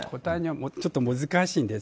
ちょっと難しいんです。